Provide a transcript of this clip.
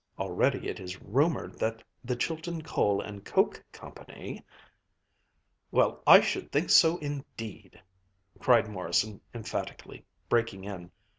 Already it is rumored that the Chilton Coal and Coke Company ...'" "Well, I should think so indeed!" cried Morrison emphatically, breaking in.